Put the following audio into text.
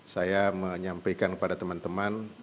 saya menyampaikan kepada teman teman